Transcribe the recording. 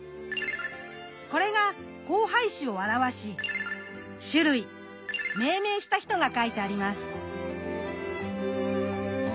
これが交配種を表し種類命名した人が書いてあります。